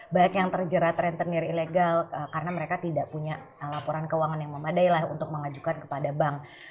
banyak yang terjerat rentenir ilegal karena mereka tidak punya laporan keuangan yang memadai lah untuk mengajukan kepada bank